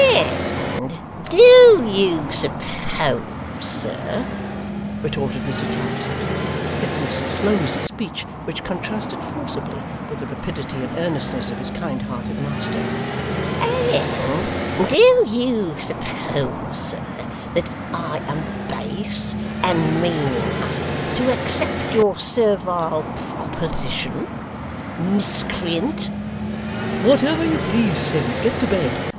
'And do you suppose, sir,' retorted Mr Tappertit, with a thickness and slowness of speech which contrasted forcibly with the rapidity and earnestness of his kind hearted master 'and do you suppose, sir, that I am base and mean enough to accept your servile proposition? Miscreant!' 'Whatever you please, Sim, but get to bed.